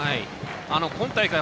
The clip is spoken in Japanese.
今大会